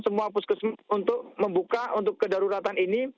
semua puskesmas untuk membuka untuk kedaruratan ini